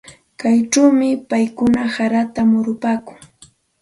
Kaychawmi paykuna harata murupaakun.